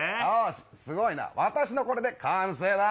すごいな、私のこれで完成だ。